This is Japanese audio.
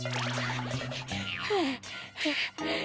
はあはあ。